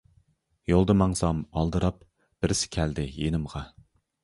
يولدا ماڭسام ئالدىراپ، بىرسى كەلدى يېنىمغا.